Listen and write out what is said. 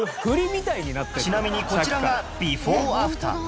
ちなみにこちらがビフォーアフター